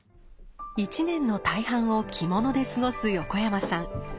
１年の大半を着物で過ごす横山さん。